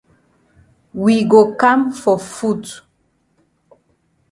We go kam for foot.